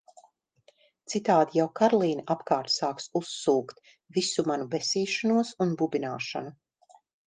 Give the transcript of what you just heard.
Citādi jau Karlīne apkārt sāks "uzsūkt" visu manu besīšanos un bubināšanu.